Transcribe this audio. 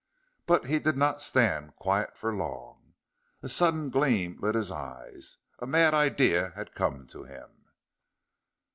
But he did not stand quiet for long. A sudden gleam lit his eyes: a mad idea had come to him.